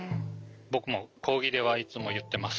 僕も講義ではいつも言ってます。